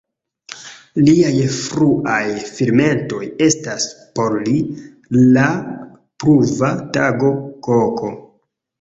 Liaj fruaj filmetoj estas: "Por li", "La pluva tago", "Koko".